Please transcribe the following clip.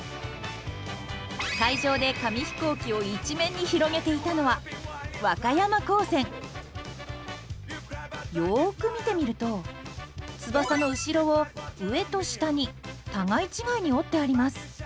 会場で紙飛行機を一面に広げていたのはよく見てみると翼の後ろを上と下に互い違いに折ってあります。